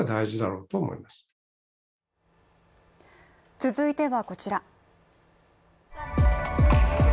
続いてはこちら。